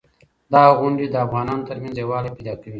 دا غونډې د افغانانو ترمنځ یووالی پیدا کوي.